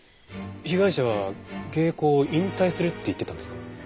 被害者は芸妓を引退するって言ってたんですか？